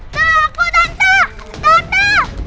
tenaga aku tanda tanda